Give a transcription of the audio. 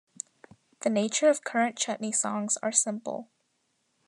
The nature of current chutney songs are simple.